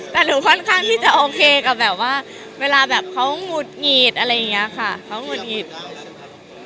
แต่หนูค่อนข้างที่จะโอเคกับแบบว่าเวลาแบบเขาหงุดหงิดอะไรอย่างนี้ค่ะเขาหงุดหงิด